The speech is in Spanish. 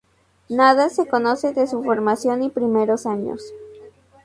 Nada se conoce de su formación y primeros años.